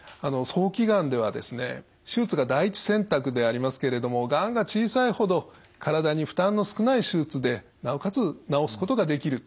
早期がんではですね手術が第一選択でありますけれどもがんが小さいほど体に負担の少ない手術でなおかつ治すことができる。